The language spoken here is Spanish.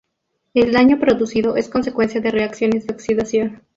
El daño producido es consecuencia de reacciones de oxidación.